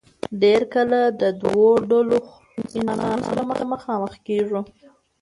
ډېر کله د دو ډلو انسانانو سره مخامخ کيږو